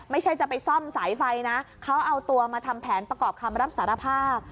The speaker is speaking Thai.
ไม่ใช่จะไปซ่อมสายไฟนะเขาเอาตัวมาทำแผนประกอบคำรับสารภาพ